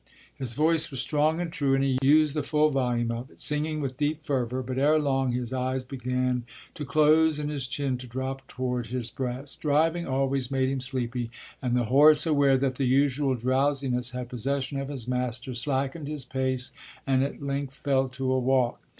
His voice was strong and true, and he used the full volume of it, singing with deep fervour; but ere long his eyes began to close and his chin to drop toward his breast. Driving always made him sleepy, and the horse, aware that the usual drowsiness had possession of his master, slackened his pace and at length fell to a walk.